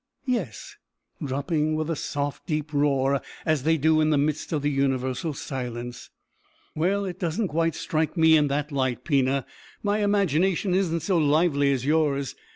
"Yes, dropping with a soft deep roar as they do in the midst of the universal silence." "Well, it doesn't quite strike me in that light, Pina. My imagination isn't so lively as yours.